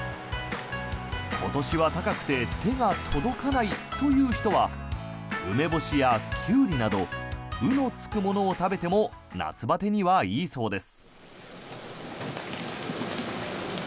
今年は高くて手が届かないという人は梅干しやキュウリなど「う」のつくものを食べても夏バテにはいいそうです。